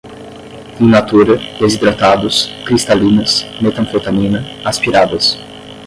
in natura, desidratados, cristalinas, metanfetamina, aspiradas